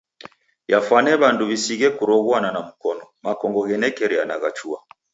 Yafwane w'andu w'isighe kuroghuana na mkonu. Makongo ghenekeriana ghachua.